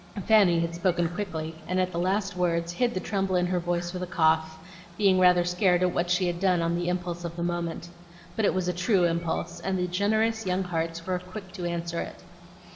Fanny had spoken quickly, and at the last words hid the tremble in her voice with a cough, being rather scared at what she had done on the impulse of the moment. But it was a true impulse, and the generous young hearts were quick to answer it.